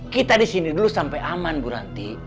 kita di sini dulu sampai aman buranti